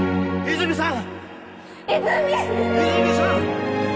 泉さん！